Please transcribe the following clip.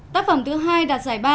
tác phẩm thứ hai đoạt giải ba